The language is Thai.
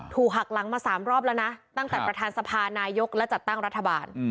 หักหลังมา๓รอบแล้วนะตั้งแต่ประธานสภานายกและจัดตั้งรัฐบาล